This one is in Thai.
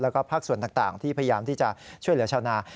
แล้วก็ภาคส่วนต่างที่พยายามที่จะช่วยเหลือชาวนา